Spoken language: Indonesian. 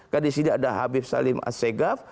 karena disini ada habib salim as segaf